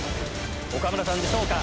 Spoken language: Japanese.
岡村さんでしょうか？